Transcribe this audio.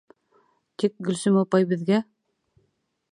Тик Гөлсөм апай беҙгә: